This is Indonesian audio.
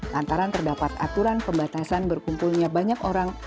lantaran terdapat aturan pembatasan berkumpulnya banyak orang